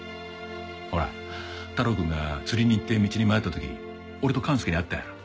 ほら太郎くんが釣りに行って道に迷った時俺と勘介に会ったやら。